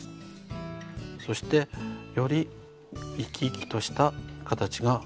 そしてより生き生きとした形が生まれてくるんだよ。